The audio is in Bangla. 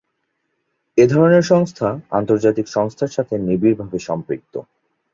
এ ধরনের সংস্থা আন্তর্জাতিক সংস্থার সাথে নিবিড়ভাবে সম্পৃক্ত।